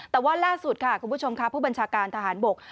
แต่ว่าล่าสุดค่ะคุณผู้ชมค่ะผู้บัญชาการทหารบก